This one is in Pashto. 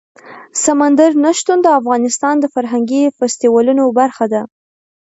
سمندر نه شتون د افغانستان د فرهنګي فستیوالونو برخه ده.